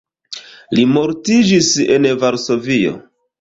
Li mortiĝis en Varsovio.